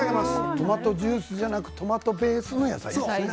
トマトジュースじゃなくてトマトベースのものですね。